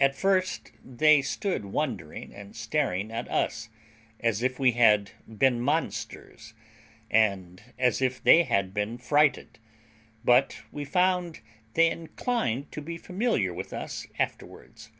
At first they stood wondering and staring at us, as if we had been monsters, and as if they had been frighted; but we found they inclined to be familiar with us afterwards.